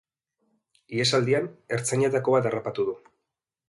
Ihesaldian, ertzainetako bat harrapatu du.